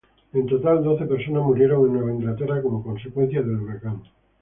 En total, doce personas murieron en Nueva Inglaterra como consecuencia del huracán.